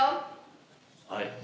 はい。